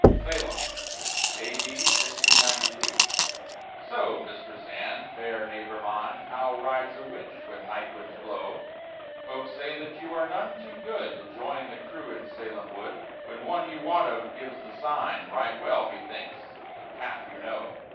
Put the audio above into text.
SALEM [A.D. 1692] Soe, Mistress Anne, faire neighboure myne, How rides a witch when night winds blowe? Folk say that you are none too goode To joyne the crewe in Salem woode, When one you wot of gives the signe: Righte well, methinks, the pathe you knowe.